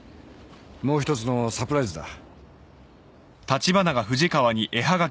もう一つのサプライズだ。